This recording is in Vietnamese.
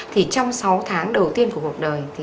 trong sáu tháng đầu tiên của cuộc đời